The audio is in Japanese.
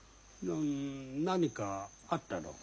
何かあったのか？